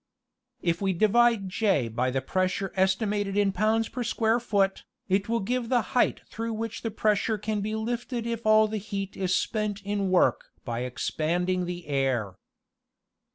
If we divide J by the pressure estimated in pounds per square foot, it will give the height through which the pressure can be lifted if all the heat is spent in work by expanding the air.